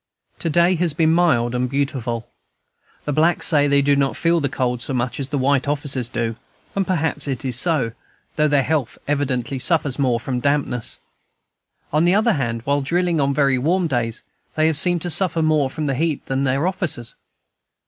To day has been mild and beautiful. The blacks say they do not feel the cold so much as the white officers do, and perhaps it is so, though their health evidently suffers more from dampness. On the other hand, while drilling on very warm days, they have seemed to suffer more from the heat than their officers.